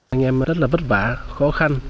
anh em rất là vất vả khó khăn